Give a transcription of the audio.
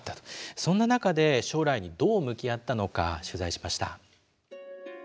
そんな中で将来にどう向き合ったのか取材しました。